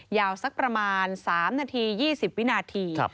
ยาวสักประมาณ๓นาที๒๐วินาที